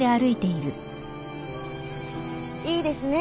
いいですね。